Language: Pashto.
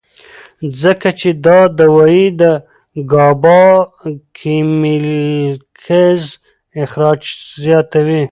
ځکه چې دا دوائي د ګابا کېميکلز اخراج زياتوي